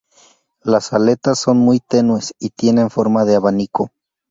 Las aletas son muy tenues y tienen forma de abanico.